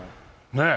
ねえ。